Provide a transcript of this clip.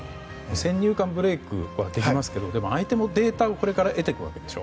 先入観ブレークはできますけど相手もデータをこれから得ていくわけでしょ？